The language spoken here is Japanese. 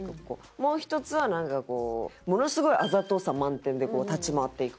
もう１つはなんかこうものすごいあざとさ満点で立ち回っていく子。